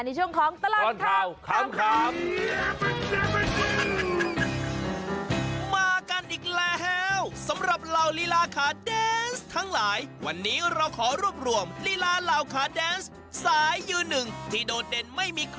ในช่วงของตลอดข่าวขำ